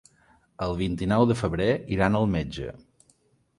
El vint-i-nou de febrer iran al metge.